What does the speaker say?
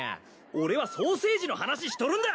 俺はソーセージの話しとるんだ！